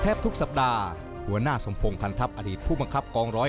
ทุกสัปดาห์หัวหน้าสมพงษ์พันทัพอดีตผู้บังคับกองร้อย